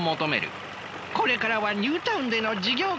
これからはニュータウンでの事業開発だ。